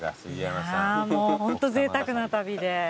ホントぜいたくな旅で。